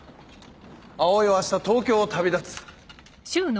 葵は明日東京を旅立つ。